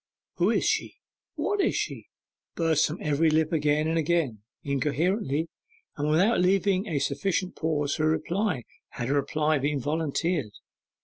'Who is she? what is she?' burst from every lip again and again, incoherently, and without leaving a sufficient pause for a reply, had a reply been volunteered.